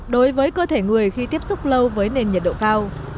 đối với cơ thể người khi tiếp xúc lâu với nền nhiệt độ cao